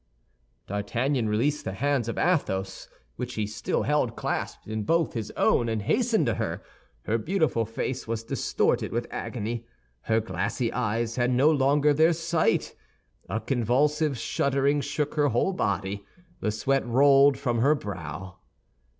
D'Artagnan released the hands of Athos which he still held clasped in both his own, and hastened to her. Her beautiful face was distorted with agony; her glassy eyes had no longer their sight; a convulsive shuddering shook her whole body; the sweat rolled from her brow.